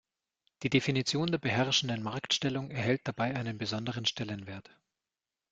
Die Definition der beherrschenden Marktstellung erhält dabei einen besonderen Stellenwert.